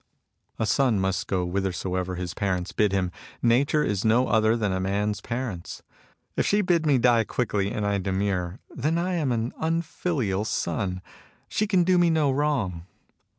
A son must go whithersoever his parents bid him. Nature is no other than a man's parents. If she bid me die quickly, and I demur, then I am an unfilial son. She can do me no wrong.